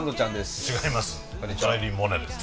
違います。